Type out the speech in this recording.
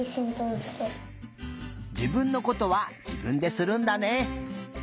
じぶんのことはじぶんでするんだね。